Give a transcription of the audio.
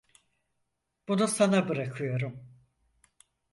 Bunu sana bırakıyorum.